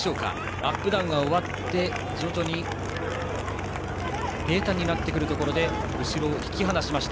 アップダウンが終わって徐々に平たんになってくるところで後ろを引き離しました。